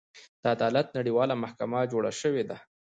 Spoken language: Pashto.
د عدالت نړیواله محکمه جوړه شوې ده.